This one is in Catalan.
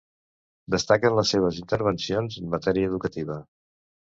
Destaquen les seves intervencions en matèria educativa.